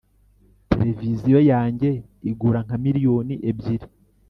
televiziyo yanjye igura nka miliyoni ebyiri